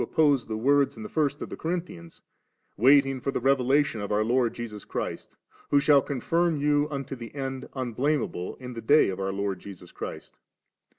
9& oppose the words in the first to the Corinthians, * waiting for the revelation of our Lord Jesus Christ, who shall also confirm you unto the end unblameable in the day of our Lord Jesus Christ •.'